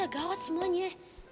kan bisa gawat semuanya